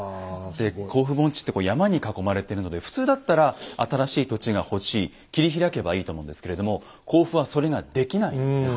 で甲府盆地って山に囲まれてるので普通だったら新しい土地が欲しい切り開けばいいと思うんですけれども甲府はそれができないんですね。